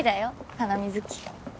ハナミズキ。